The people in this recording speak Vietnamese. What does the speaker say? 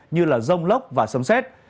như là rông lốc và sấm xét